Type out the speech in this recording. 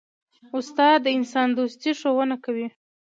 استاد د انسان دوستي ښوونه کوي.